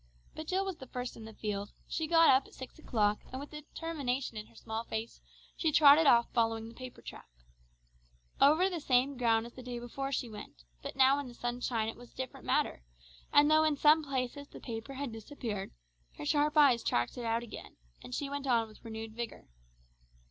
But Jill was the first in the field. She got up at six o'clock, and with determination in her small face, she trotted off following the paper track. Over the same ground as the day before she went, but now in the sunshine it was a different matter, and though in some places the paper had disappeared, her sharp eyes tracked it out again, and she went on with renewed vigour.